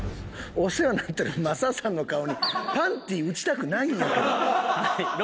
お世話になってる雅さんの顔にパンティ撃ちたくないんやけど。